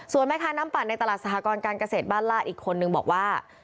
ส่วนแม่ค้าน้ำปั่นในตลาดสหกรการเกษตรบ้านล่าอีกคนนึงบอกว่า